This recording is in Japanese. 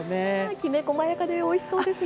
きめ細やかでおいしそうですね。